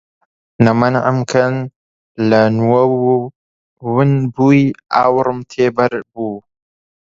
نە مەنعم کەن لە نووەو ون بووی ئاورم تێ بەر بوو